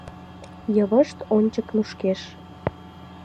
Йывышт ончыко нушкеш.